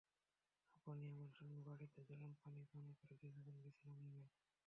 আপনি আমার সঙ্গে বাড়িতে চলুন, পানি পান করে কিছুক্ষণ বিশ্রাম নেবেন।